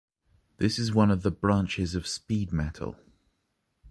It is a part of one of the branches of speed metal.